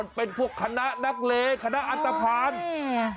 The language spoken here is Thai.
มันเป็นคณะนักเลทธิ์คณะอัตภาษา